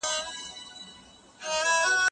رباني باورونه ورو ورو بدلېږي.